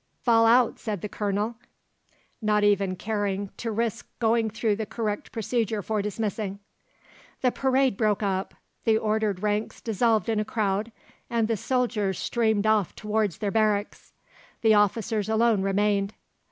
"Fall out," said the Colonel, not even caring to risk going through the correct procedure for dismissing. The parade broke up. The ordered ranks dissolved in a crowd, and the soldiers streamed off towards their barracks. The officers alone remained.